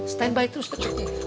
stand by terus tetep ya